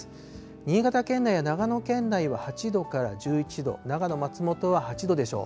新潟県内や長野県内は８度から１１度、長野・松本は８度でしょう。